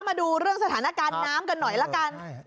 มาดูเรื่องสถานการณ์น้ำกันหน่อยละกัน